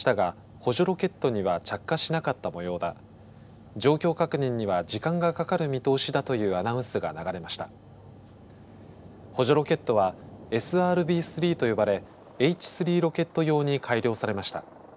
補助ロケットはＳＲＢ−３と呼ばれＨ３ロケット用に改良されました。